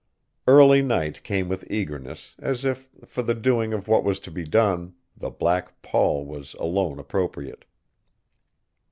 Early night came with eagerness, as if, for the doing of what was to be done, the black pall was alone appropriate.